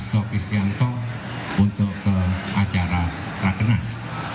untuk istianto untuk ke acara rakenas